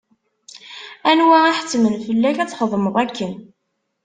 Anwa iḥettmen fell-ak ad txedmeḍ akken?